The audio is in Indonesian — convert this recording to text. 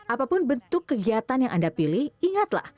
apapun bentuk kegiatan yang anda pilih ingatlah